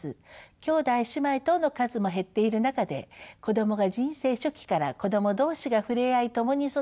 兄弟姉妹等の数も減っている中で子どもが人生初期から子ども同士が触れ合い共に育つ経験の場にもなります。